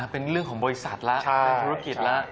เป็นเรื่องของบริษัทแล้วเป็นธุรกิจแล้ว